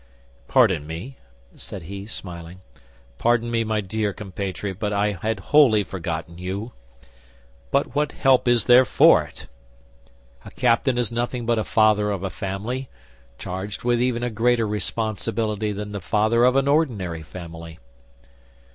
"Pardon me," said he, smiling, "pardon me my dear compatriot, but I had wholly forgotten you. But what help is there for it! A captain is nothing but a father of a family, charged with even a greater responsibility than the father of an ordinary family.